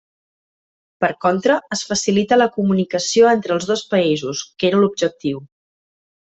Per contra, es facilita la comunicació entre els dos països, que era l'objectiu.